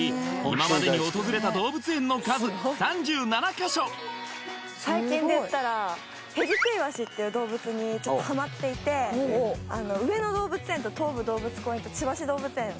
今までに訪れた動物園の数最近でいったらヘビクイワシっていう動物にちょっとハマっていて上野動物園と東武動物公園と千葉市動物公園